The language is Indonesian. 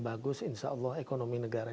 bagus insya allah ekonomi negara